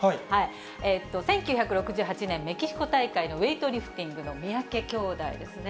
１９６８年メキシコ大会のウエイトリフティングの三宅兄弟ですね。